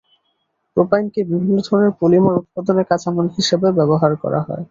প্রোপাইনকে বিভিন্ন ধরনের পলিমার উৎপাদনে কাঁচামাল হিসেবে ব্যবহার করা হয়।